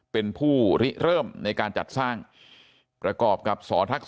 เป็นผู้ริเริ่มในการจัดสร้างประกอบกับสทักษ